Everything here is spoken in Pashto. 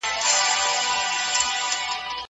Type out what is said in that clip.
ما د خپلي سجدې لوری له اورغوي دی اخیستی .